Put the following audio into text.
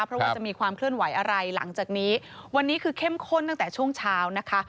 เพราะว่าจะมีความเคลื่อนไหวอะไรหลังจากนี้วันนี้คือเข้มข้นตั้งแต่ช่วงเช้านะคะ